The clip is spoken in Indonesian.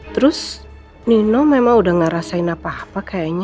terus nino memang udah ngerasain apa apa kayaknya